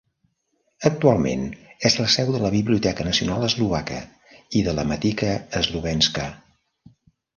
Actualment és la seu de la Biblioteca Nacional Eslovaca i de la Matica slovenská.